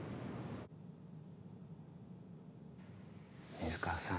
水川さん